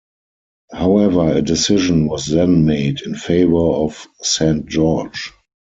However, a decision was then made in favor of Saint George.